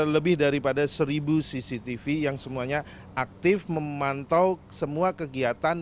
lebih daripada seribu cctv yang semuanya aktif memantau semua kegiatan